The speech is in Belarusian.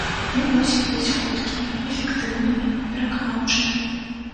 Мы мусім быць хуткімі, эфектыўнымі, пераканаўчымі.